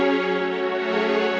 mereka tuh menang